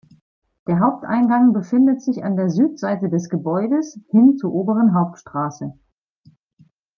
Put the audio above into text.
Der Haupteingang befindet sich an der Südseite des Gebäudes, hin zur Oberen Hauptstraße.